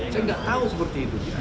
saya nggak tahu seperti itu